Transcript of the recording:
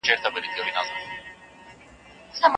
هغه کس چې په سختۍ کې مرسته کوي رښتینی ورور دی.